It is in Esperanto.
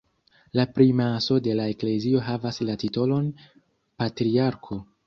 La primaso de la eklezio havas la titolon patriarko.